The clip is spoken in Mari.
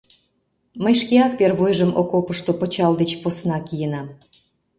Мый шкеак первойжым окопышто пычал деч посна киенам.